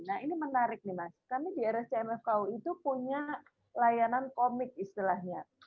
nah ini menarik nih mas karena irscm fku itu punya layanan komik istilahnya